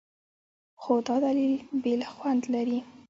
خو دا لیدل بېل خوند لري.